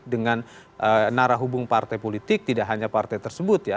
dengan narah hubung partai politik tidak hanya partai tersebut ya